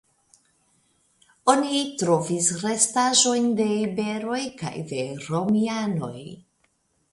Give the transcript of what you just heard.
Oni trovis restaĵojn de iberoj kaj de romianoj.